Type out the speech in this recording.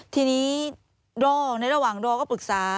ทีนี้รอในระหว่างรอก็ปรึกษา